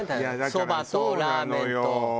そばとラーメンと。